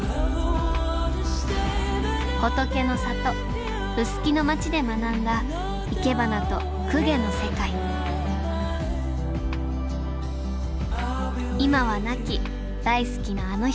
仏の里臼杵の町で学んだいけばなと供華の世界今は亡き大好きなあの人へ。